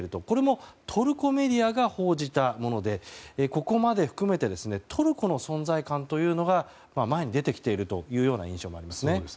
これも、トルコメディアが報じたものでここまで含めてトルコの存在感というのが前に出てきているような印象もありますね。